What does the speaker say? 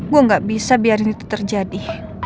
gue gak bisa biarin itu terjadi